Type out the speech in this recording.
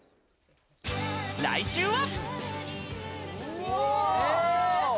来週は。